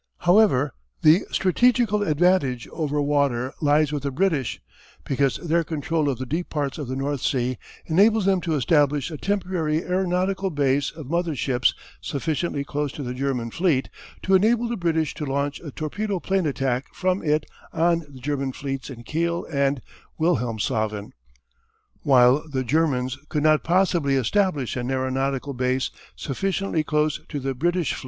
However, the strategical advantage over water lies with the British, because their control of the deep parts of the North Sea enables them to establish a temporary aeronautical base of mother ships sufficiently close to the German fleet to enable the British to launch a torpedo plane attack from it on the German fleets in Kiel and Wilhelmshaven, while the Germans could not possibly establish an aeronautical base sufficiently close to the British fleet.